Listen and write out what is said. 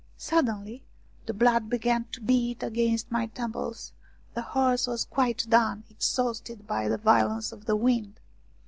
Suddenly the blood began to beat against my temples. The horse was quite done, exhausted by the violence of the wind.